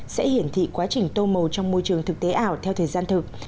sẽ hiển thị quá trình tô màu trong môi trường thực tế ảo theo thời gian thực